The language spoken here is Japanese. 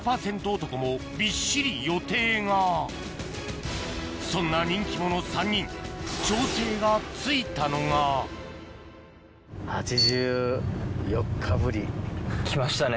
男もびっしり予定がそんな人気者３人８４日ぶり。来ましたね。